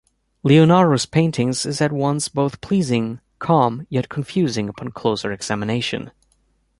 Leonardo's painting is at once both pleasing, calm yet confusing upon closer examination.